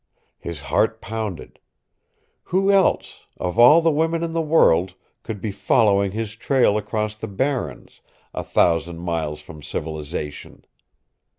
His heart pounded. Who else, of all the women in the world, could be following his trail across the Barrens a thousand miles from civilization?